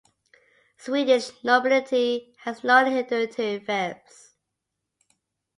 Swedish nobility had no hereditary fiefs.